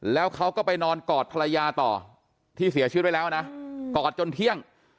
แล้วเขาก็ไปนอนกอดภรรยาต่อที่เสียชีวิตไปแล้วนะกอดจนเที่ยง